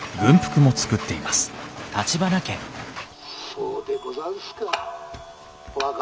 「そうでござんすか。